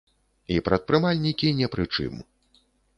І прадпрымальнікі не пры чым.